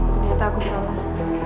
ternyata aku salah